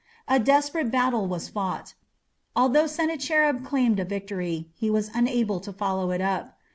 A desperate battle was fought. Although Sennacherib claimed a victory, he was unable to follow it up.